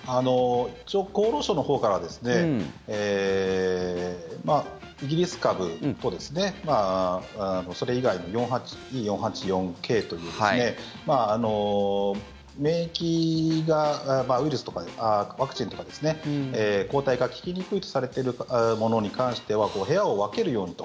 厚労省のほうからイギリス株とそれ以外のＥ４８４Ｋという免疫がワクチンとか抗体が効きにくいとされているものに関しては部屋を分けるようにと。